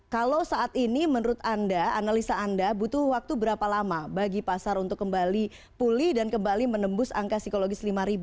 kalau saat ini menurut anda analisa anda butuh waktu berapa lama bagi pasar untuk kembali pulih dan kembali menembus angka psikologis lima